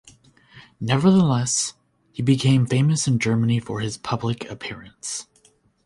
Nevertheless, he became famous in Germany for his public appearance.